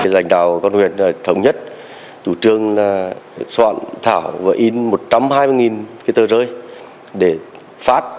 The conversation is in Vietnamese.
lãnh đạo công an thống nhất